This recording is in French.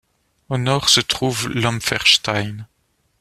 Au nord se trouve l'Ampferstein.